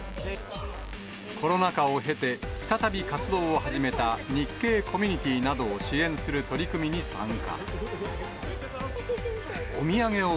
コロナ禍を経て、再び活動を始めた日系コミュニティなどを支援する取り組みに参加。